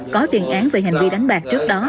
có tiền án về hành vi đánh bạc trước đó